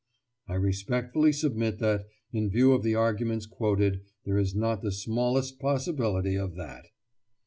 I respectfully submit that, in view of the arguments quoted, there is not the smallest possibility of that.